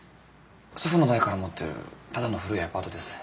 祖父の代から持ってるただの古いアパートです。